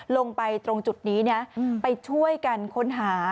ลงไปตรงจุดนี้นะไปช่วยกันค้นหา